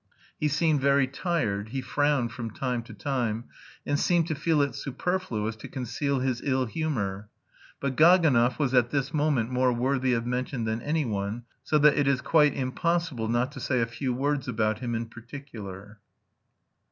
He seemed very tired, he frowned from time to time, and seemed to feel it superfluous to conceal his ill humour. But Gaganov was at this moment more worthy of mention than anyone, so that it is quite impossible not to say a few words about him in particular.